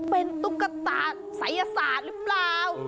เป็นตุ๊กตาศัยศาสตร์หรือเปล่า